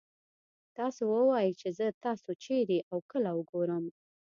تاسو ووايئ چې زه تاسو چېرې او کله وګورم.